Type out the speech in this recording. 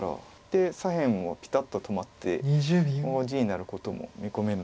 で左辺もピタッと止まって今後地になることも見込めるので。